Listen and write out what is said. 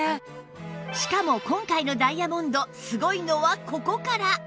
しかも今回のダイヤモンドすごいのはここから！